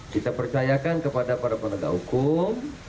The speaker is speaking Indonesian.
kita percayakan kepada para penegak hukum